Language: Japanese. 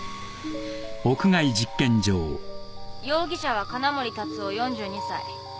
容疑者は金森龍男４２歳。